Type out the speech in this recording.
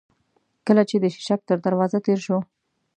کله چې د شېشک تر دروازه تېر شوو.